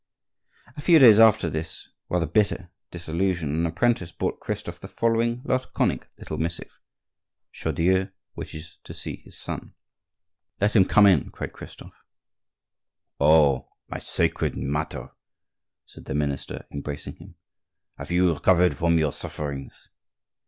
A few days after this rather bitter disillusion, an apprentice brought Christophe the following laconic little missive:— Chaudieu wishes to see his son. "Let him come in!" cried Christophe. "Oh! my sacred martyr!" said the minister, embracing him; "have you recovered from your sufferings?"